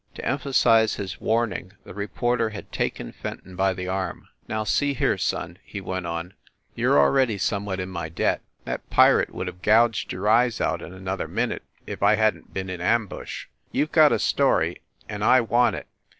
To emphasize his warning, the reporter had taken Fenton by the arm. "Now see here, son," he went on, "you re already somewhat in my debt. That pirate would have gouged your eyes out in another minute if I hadn t been in ambush. You ve got a story, and I want it.